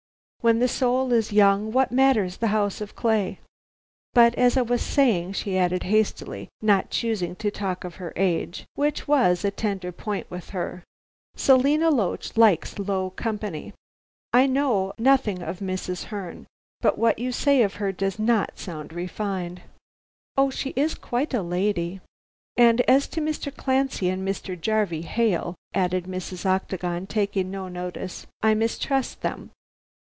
When the soul is young, what matters the house of clay. But, as I was saying," she added hastily, not choosing to talk of her age, which was a tender point with her, "Selina Loach likes low company. I know nothing of Mrs. Herne, but what you say of her does not sound refined." "Oh, she is quite a lady." "And as to Mr. Clancy and Mr. Jarvey Hale," added Mrs. Octagon, taking no notice, "I mistrust them.